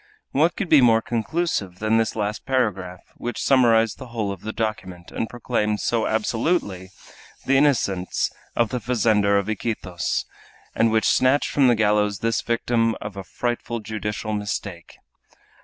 What could be more conclusive than this last paragraph, which summarized the whole of the document, and proclaimed so absolutely the innocence of the fazender of Iquitos, and which snatched from the gallows this victim of a frightful judicial mistake!